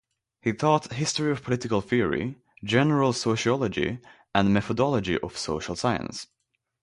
He taught History of Political Theory, General Sociology and Methodology of Social Science.